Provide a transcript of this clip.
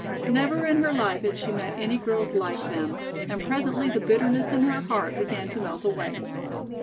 Never in her life had she met any girls like them, and presently the bitterness in her heart began to melt away.